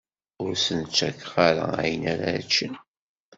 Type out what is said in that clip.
Ur sen-ttakeɣ ara ayen ara ččen.